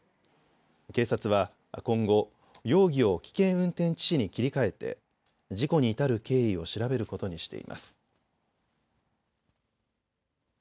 警察は今後、容疑を危険運転致死に切り替えて事故に至る経緯を調べることにしています。